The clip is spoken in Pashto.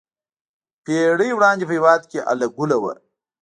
پېړۍ وړاندې په هېواد کې اله ګوله وه.